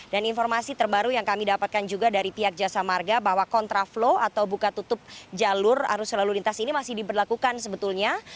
dan informasi terbaru yang kami dapatkan juga dari pihak jasa marga bahwa kontraflow atau buka tutup jalur arus lalu lintas ini masih diberlakukan sebetulnya